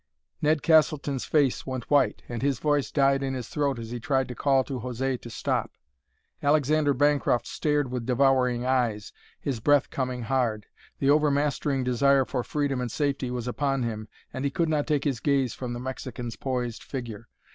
Ned Castleton's face went white, and his voice died in his throat as he tried to call to José to stop. Alexander Bancroft stared with devouring eyes, his breath coming hard. The overmastering desire for freedom and safety was upon him, and he could not take his gaze from the Mexican's poised figure.